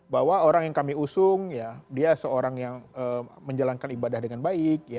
bahwa orang yang kami usung ya dia seorang yang menjalankan ibadah dengan baik